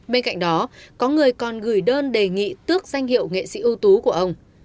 bên cạnh đó có người còn gửi đơn đề nghị tước danh hiệu nghệ sĩ ưu tú của ông